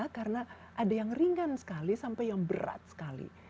karena ada yang ringan sekali sampai yang berat sekali